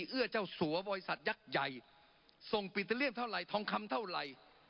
เอื้อเจ้าสัวบริษัทยักษ์ใหญ่ส่งปิตาเลียนเท่าไหร่ทองคำเท่าไหร่